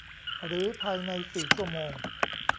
หรือภายใน สี่ ชั่วโมง